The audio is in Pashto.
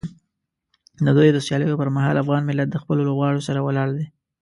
د دوی د سیالیو پر مهال افغان ملت د خپلو لوبغاړو سره ولاړ دی.